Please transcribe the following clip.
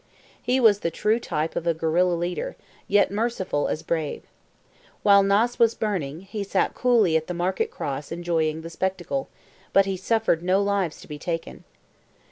He was the true type of a guerilla leader, yet merciful as brave. While Naas was burning, he sat coolly at the market cross enjoying the spectacle, but he suffered no lives to be taken.